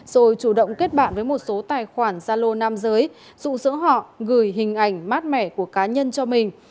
rồi chủ động kết bạn với một số tài khoản gia lô nam giới dụ dỗ họ gửi hình ảnh mát mẻ của cá nhân cho mình